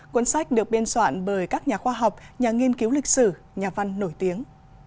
cuốn sách được biên soạn bởi các nhà khoa học nhà nghiên cứu lịch sử nhà văn nổi tiếng